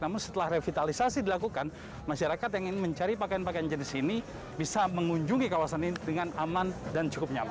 namun setelah revitalisasi dilakukan masyarakat yang ingin mencari pakaian pakaian jenis ini bisa mengunjungi kawasan ini dengan aman dan cukup nyaman